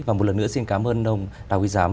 và một lần nữa xin cảm ơn ông đào quý giám